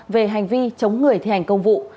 về hành vi chống người thi hành công vụ